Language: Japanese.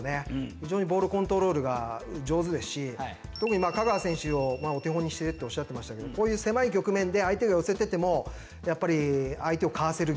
非常にボールコントロールが上手ですし特に香川選手をお手本にしてるっておっしゃってましたけどこういう狭い局面で相手が寄せててもやっぱり相手をかわせる技術。